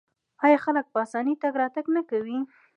آیا خلک په اسانۍ تګ راتګ نه کوي؟